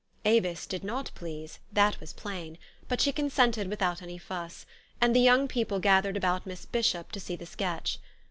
Avis did not please, that was plain ; but she con sented without any fuss ; and the young people gathered about Miss Bishop to see the sketch.